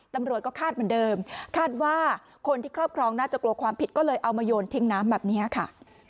ตำรวจก็คาดเหมือนเดิมคาดว่าคนที่ครอบครองน่าจะกลัวความผิดก็เลยเอามาโยนทิ้งน้ำแบบนี้ค่ะ